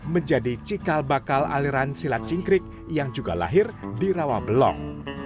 menjadi cikal bakal aliran silat cingkrik yang juga lahir di rawabelong